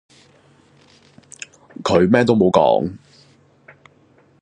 佢咩都冇講